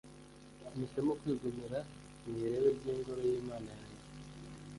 mpisemo kwigumira mu irebe ry’Ingoro y’Imana yanjye